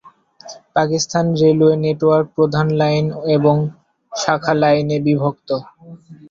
Pakistan railway network প্রধান line এবং শাখা লাইনে বিভক্ত।